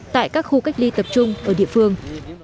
tại các khu cách ly tập trung ở địa phương